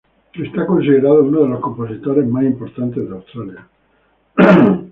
Es considerado uno de los compositores más importante de Australia.